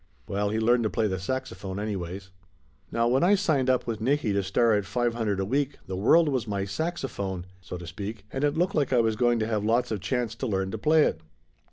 Well, he learned to play the saxophone, any ways. Now when I signed up with Nicky to star at five hundred a week the world was my saxophone, so to speak, and it looked like I was going to have lots of chance to learn to play it.